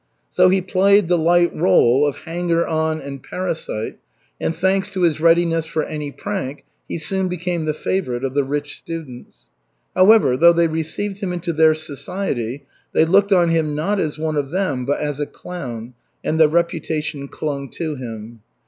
So he played the light rôle of hanger on and parasite, and thanks to his readiness for any prank he soon became the favorite of the rich students. However, though they received him into their society, they looked on him, not as one of them, but as a clown; and the reputation clung to him.